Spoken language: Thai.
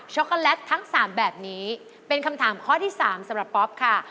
โกแลตทั้ง๓แบบนี้เป็นคำถามข้อที่๓สำหรับป๊อปค่ะ